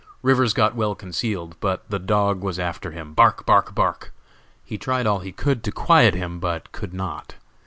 Rivers got well concealed, but the dog was after him bark, bark, bark; he tried all he could to quiet him, but could not.